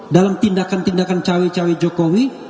dalam tindakan tindakan cawe cawe jokowi